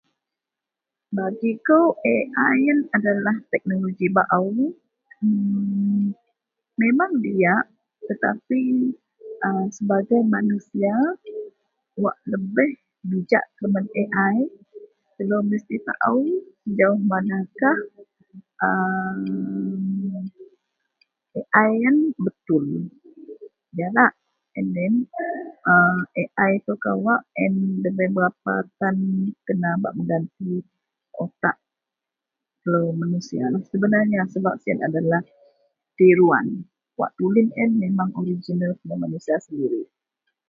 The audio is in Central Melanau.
Bagi ko Ai yian adalah teknoloji bau memang diak tapi sebagusnya yang bijak dari Ai telo mesti tau. Ai yian debai kena kawa bak menjanjikan otak manusia sebab yian sebenarnya tiruan.